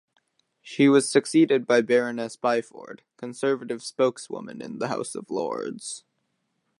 She was succeeded by Baroness Byford, Conservative spokeswoman in the House of Lords.